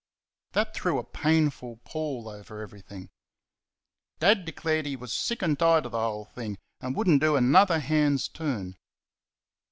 That threw a painful pall over everything. Dad declared he was sick and tired of the whole thing, and would n't do another hand's turn.